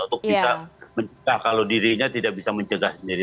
untuk bisa mencegah kalau dirinya tidak bisa mencegah sendiri